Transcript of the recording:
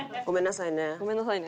ごめんなさいね。